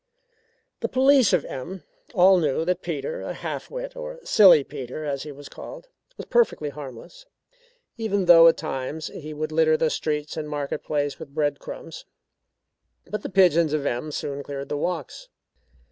The police of M all knew that Peter, a half wit, or "Silly Peter" as he was called, was perfectly harmless; even though at times he would litter the streets and market place with bread crumbs. But the pigeons of M soon cleared the walks.